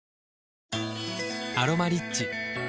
「アロマリッチ」